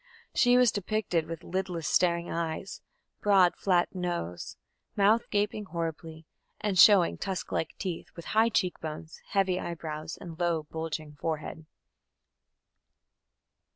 She was depicted with lidless staring eyes, broad flat nose, mouth gaping horribly, and showing tusk like teeth, and with high cheek bones, heavy eyebrows, and low bulging forehead.